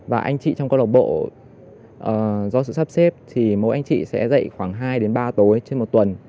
và anh chị trong câu lạc bộ do sự sắp xếp thì mỗi anh chị sẽ dạy khoảng hai đến ba tối trên một tuần